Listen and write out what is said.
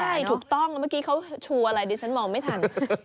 ใช่ถูกต้องเมื่อกี้เขาชูอะไรดิฉันมองไม่ทัน